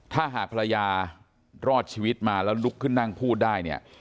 ถ้าภรรยารอดชีวิตมาแล้วลุกขึ้นนั่งพูดได้